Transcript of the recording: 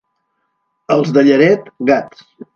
Els de Lleret, gats.